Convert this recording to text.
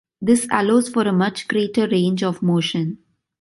This allows for a much greater range of motion.